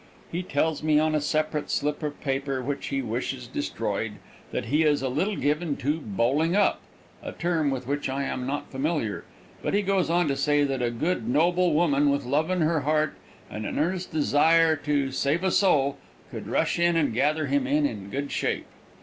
He tells me on a separate slip of paper, which he wishes destroyed, that he is a little given to "bowling up," a term with which I am not familiar, but he goes on to say that a good, noble woman, with love in her heart and an earnest desire to save a soul, could rush in and gather him in in good shape.